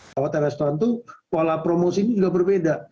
hotel dan restoran itu pola promosi ini juga berbeda